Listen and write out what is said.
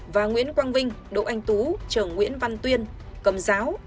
và nguyễn quang vinh đỗ anh tú trường nguyễn văn tuyên cầm giáo